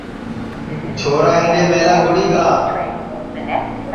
چھورا ہِینڈؔیملا گُڑی گا